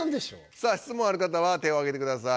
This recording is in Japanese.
さあしつもんある方は手をあげてください。